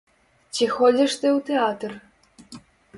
Ці ходзіш ты ў тэатр?